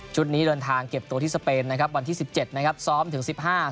ชุดนี้เดินทางเก็บตัวที่สเปนนะครับวันที่๑๗นะครับซ้อมถึง๑๕